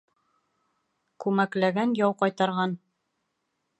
Күмәкләгән яу ҡайтарған.